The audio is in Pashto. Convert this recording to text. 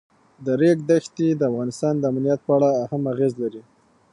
د ریګ دښتې د افغانستان د امنیت په اړه هم اغېز لري.